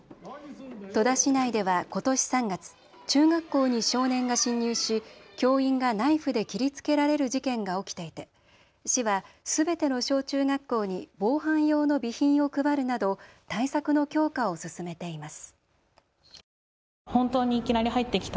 戸田市内ではことし３月、中学校に少年が侵入し教員がナイフで切りつけられる事件が起きていて市はすべての小中学校に防犯用の備品を配るなど対策の強化を進めています。